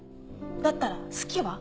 だったら「好き」は？